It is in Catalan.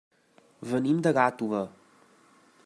Venim de Gàtova.